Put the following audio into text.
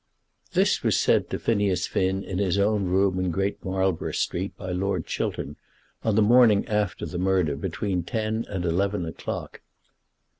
This was said to Phineas Finn in his own room in Great Marlborough Street by Lord Chiltern, on the morning after the murder, between ten and eleven o'clock.